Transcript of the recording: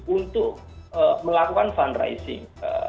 untuk melakukan fundraising